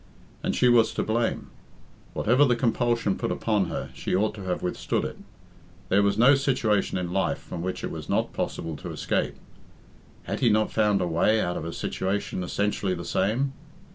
And she was to blame. Whatever the compulsion put upon her, she ought to have withstood it. There was no situation in life from which it was not possible to escape. Had he not found a way out of a situation essentially the same?